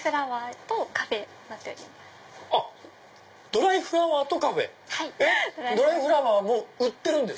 ドライフラワーも売ってる？